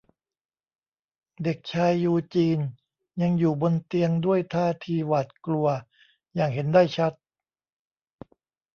เด็กชายยูจีนยังอยู่บนเตียงด้วยท่าทีหวาดกลัวอย่างเห็นได้ชัด